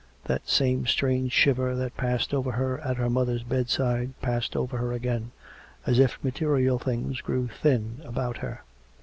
That same strange shiver that passed over her at her mother's bedside, passed over her again, as if material things grew thin about her.